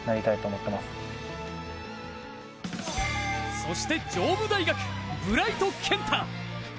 そして上武大学、ブライト健太。